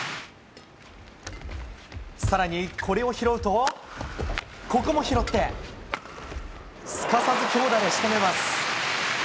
さらにこれを拾うと、ここも拾って、すかさず強打でしとめます。